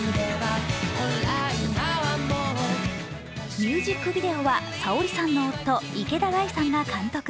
ミュージックビデオはＳａｏｒｉさんの夫池田大さんが監督。